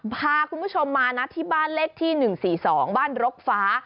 พาคุณผู้ชมมานะที่บ้านเลขที่๑๔๒บ้านรกฟ้า